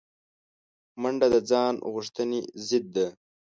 منډه د ځان غوښتنې ضد ده